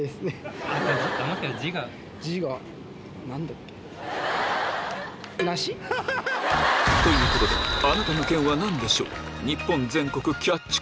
例えばということであなたの県は何でしょう？